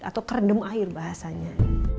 atau keredam air bahasanya